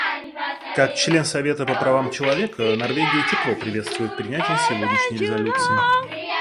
Как член Совета по правам человека Норвегия тепло приветствует принятие сегодняшней резолюции.